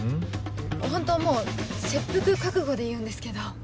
ホントもう切腹覚悟で言うんですけど。